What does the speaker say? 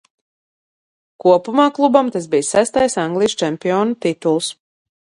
Kopumā klubam tas bija sestais Anglijas čempionu tituls.